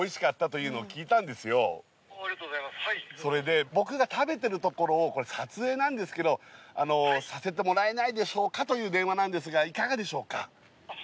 それで僕が食べてるところをこれ撮影なんですけどさせてもらえないでしょうかという電話なんですがいかがでしょうか？